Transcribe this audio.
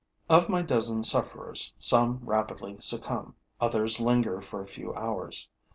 Of my dozen sufferers, some rapidly succumb, others linger for a few hours.